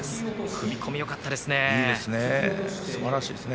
踏み込みがよかったですね。